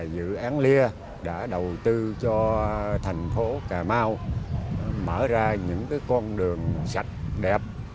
dự án lia đã đầu tư cho thành phố cà mau mở ra những con đường sạch đẹp